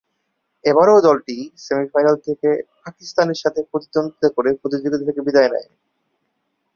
এবারও দলটি সেমি-ফাইনাল থেকে পাকিস্তানের সাথে প্রতিদ্বন্দ্বিতা করে প্রতিযোগিতা থেকে বিদায় নেয়।